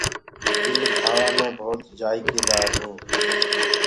تل کآوآ مي ڀوت مجيدآر هوندآ هينٚ۔